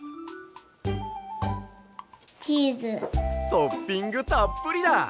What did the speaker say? トッピングたっぷりだ！